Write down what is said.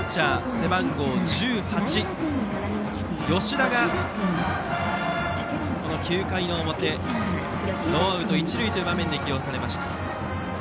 背番号１８の吉田が９回の表、ノーアウト一塁という場面で起用されました。